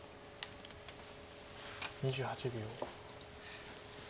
２８秒。